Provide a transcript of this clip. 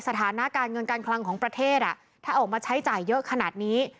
สถานะการเงินการคลังของประเทศถ้าออกมาใช้จ่ายเยอะขนาดนี้